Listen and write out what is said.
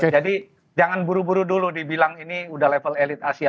jadi jangan buru buru dulu dibilang ini udah level elit asia